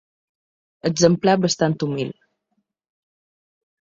Exemplar bastant humil.